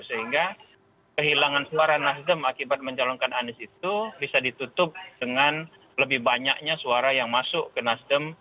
sehingga kehilangan suara nasdem akibat mencalonkan anies itu bisa ditutup dengan lebih banyaknya suara yang masuk ke nasdem